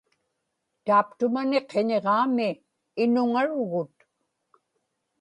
taaptumani qiñiġaami inuŋarugut